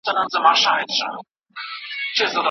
شاګرد د خپلې موضوع لپاره نوې سرچینې لټوي.